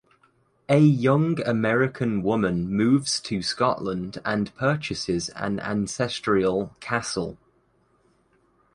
A young American woman moves to Scotland and purchases an ancestral castle.